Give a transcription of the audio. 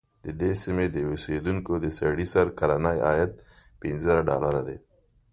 د دې سیمې د اوسېدونکو د سړي سر کلنی عاید پنځه زره ډالره دی.